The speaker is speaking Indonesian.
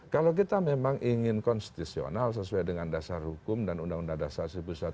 kalau kita memang ingin konstitusional sesuai dengan dasar hukum dan undang undang dasar seribu sembilan ratus empat puluh